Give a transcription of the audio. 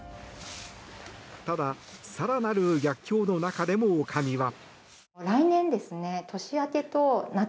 ただ、更なる逆境の中でも女将は。